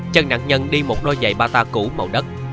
chân nạn nhân đi một đôi giày bata cũ màu đất